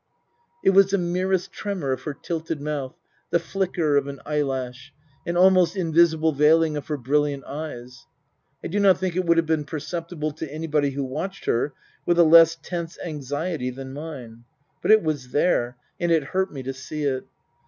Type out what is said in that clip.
It was the merest tremor of her tilted mouth, the flicker of an eyelash, an almost invisible veiling of her brilliant eyes ; I do not think it would have been perceptible to anybody who watched her with a less tense anxiety than mine. But it was there, and it hurt me to see it.